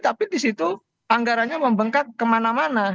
tapi di situ anggarannya membengkak kemana mana